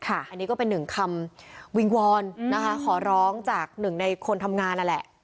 อันนี้ก็เป็นหนึ่งคำวิงวอนนะคะขอร้องจากหนึ่งในคนทำงานนั่นแหละ